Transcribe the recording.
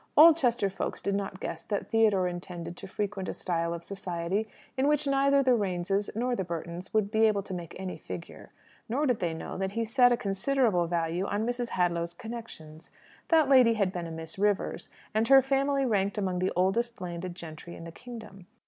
Oldchester folks did not guess that Theodore intended to frequent a style of society in which neither the Rayneses nor the Burtons would be able to make any figure, nor did they know that he set a considerable value on Mrs. Hadlow's connections. That lady had been a Miss Rivers, and her family ranked among the oldest landed gentry in the kingdom.